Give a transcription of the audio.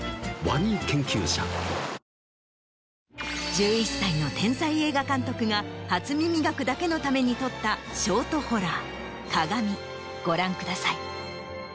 １１歳の天才映画監督が『初耳学』だけのために撮ったショートホラー『鏡』ご覧ください。